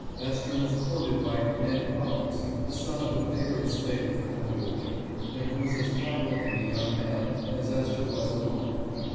Esther was courted by " Ned Roberts," the son of a favorite slave of Col. Lloyd, and who was as fine look ing a young man as Esther was a woman.